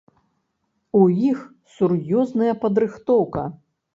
У іх сур'ёзная падрыхтоўка.